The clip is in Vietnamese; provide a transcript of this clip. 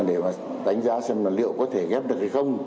để đánh giá xem liệu có thể ghép được hay không